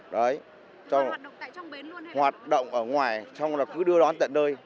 đấy hoạt động ở ngoài xong rồi cứ đưa đón tận nơi